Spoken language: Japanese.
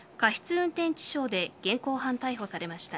運転致傷で現行犯逮捕されました。